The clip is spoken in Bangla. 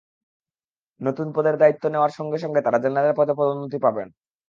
নতুন পদের দায়িত্ব নেওয়ার সঙ্গে সঙ্গে তাঁরা জেনারেল পদে পদোন্নতি পাবেন।